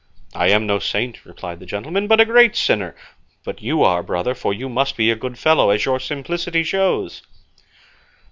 "I am no saint," replied the gentleman, "but a great sinner; but you are, brother, for you must be a good fellow, as your simplicity shows."